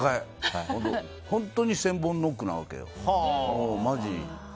本当に１０００本ノックなわけよ。